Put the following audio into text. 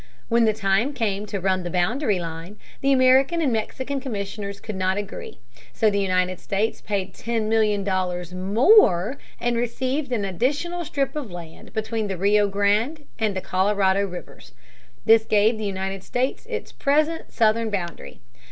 When the time came to run the boundary line, the American and Mexican commissioners could not agree. So the United States paid ten million dollars more and received an additional strip of land between the Rio Grande and the Colorado rivers. This gave the United States its present southern boundary.